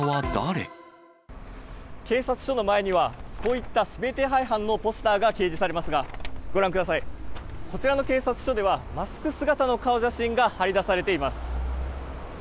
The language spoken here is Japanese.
警察署の前には、こういった指名手配犯のポスターが掲示されますが、ご覧ください、こちらの警察署では、マスク姿の顔写真が張り出されています。